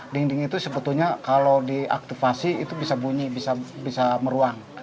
dinding dinding itu sebetulnya kalau diaktivasi itu bisa bunyi bisa meruang